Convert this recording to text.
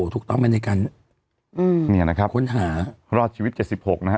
ถูกต้องกันในการอืมเนี่ยนะครับค้นหารอดชีวิตเจ็ดสิบหกนะฮะ